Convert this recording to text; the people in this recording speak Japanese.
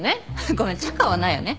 ごめんチャカはないよね。